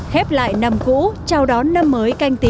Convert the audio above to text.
khép lại năm cũ chào đón năm mới canh tí hai nghìn hai mươi